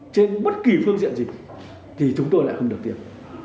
trên bất kỳ phương diện gì thì chúng tôi lại không được tiêm